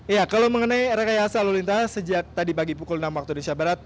ya kalau mengenai rekayasa lalu lintas sejak tadi pagi pukul enam waktu indonesia barat